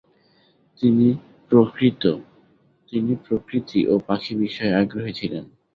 তিনি প্রকৃতি ও পাখি বিষয়ে আগ্রহী ছিলেন।